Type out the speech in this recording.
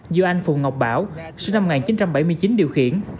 do anh phùng ngọc bảo sinh năm một nghìn chín trăm bảy mươi chín điều khiển